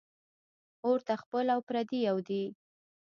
اور ته خپل او پردي یو دي